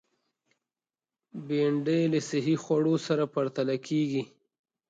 بېنډۍ له صحي خوړو سره پرتله کېږي